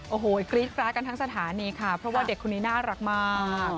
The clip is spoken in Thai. โอ้โหกรี๊ดกราดกันทั้งสถานีค่ะเพราะว่าเด็กคนนี้น่ารักมาก